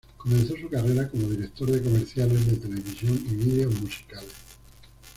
Comenzó su carrera como director de comerciales de televisión y Vídeos Musicales.